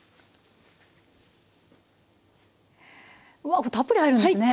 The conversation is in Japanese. わあたっぷり入るんですね！